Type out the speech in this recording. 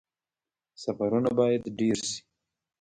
سفرونه باید ډیر شي